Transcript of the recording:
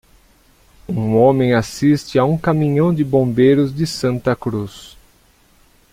Um homem assiste a um caminhão de bombeiros de Santa Cruz.